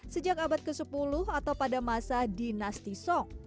sejak abad ke sepuluh atau pada masa dinasti song